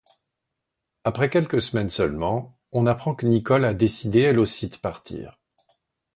Après quelques semaines seulement, on apprend que Nicole a décidé elle aussi de partir.